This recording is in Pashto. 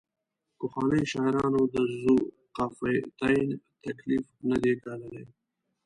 پخوانیو شاعرانو د ذوقافیتین تکلیف نه دی ګاللی.